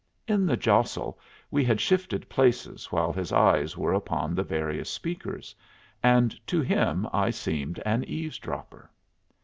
In the jostle we had shifted places while his eyes were upon the various speakers, and to him I seemed an eavesdropper.